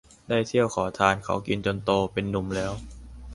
ได้เที่ยวขอทานเขากินจนโตเป็นหนุ่มแล้ว